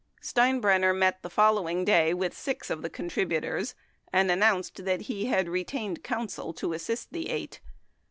Steinbrenner met the following day with six of the contributors and announced he had retained counsel to assist the eight.